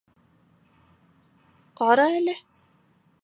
Ҡара әле.